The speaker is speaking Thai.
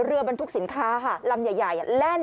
บรรทุกสินค้าค่ะลำใหญ่แล่น